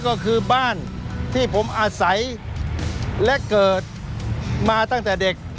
ก็คือบ้านที่ผมอาศัยและเกิดมาตั้งแต่เด็ก